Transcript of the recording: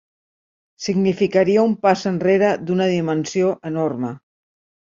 Significaria un pas enrere d’una dimensió enorme.